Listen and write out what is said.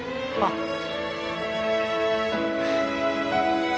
あっ。